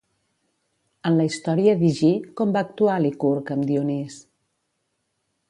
En la història d'Higí, com va actuar Licurg amb Dionís?